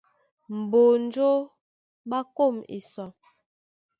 Mbonjó ɓá kôm esa,